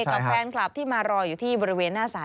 กับแฟนคลับที่มารออยู่ที่บริเวณหน้าศาล